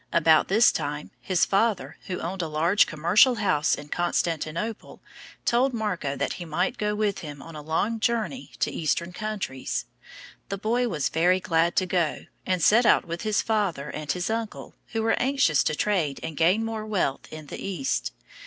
About this time, his father, who owned a large commercial house in Constantinople, told Marco that he might go with him on a long journey to Eastern countries. The boy was very glad to go, and set out with his father and his uncle, who were anxious to trade and gain more wealth in the East.